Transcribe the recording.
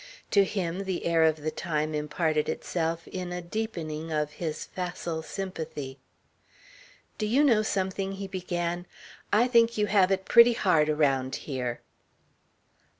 To him the air of the time imparted itself in a deepening of his facile sympathy. "Do you know something?" he began. "I think you have it pretty hard around here."